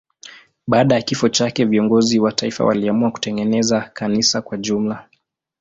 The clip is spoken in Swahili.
Baada ya kifo chake viongozi wa taifa waliamua kutengeneza kanisa kwa jumla.